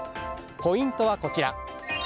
ポイントはこちら。